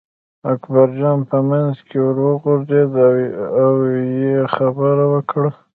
اکبرجان په منځ کې ور وغورځېد او یې خبره وکړه.